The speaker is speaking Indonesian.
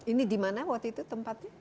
ini dimana waktu itu tempatnya